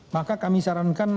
maka kami sarankan